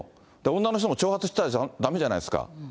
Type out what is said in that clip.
女の人も長髪にしたらだめじゃないですか。